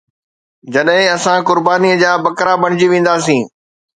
جڏهن اسان قربانيءَ جا بکرا بڻجي وينداسين.